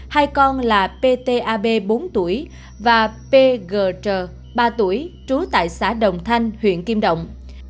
hai con là p t a b bốn tuổi và p g tr ba tuổi trú tại xã đồng thanh huyện kim động